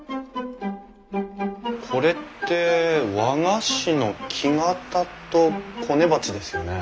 これって和菓子の木型とこね鉢ですよね？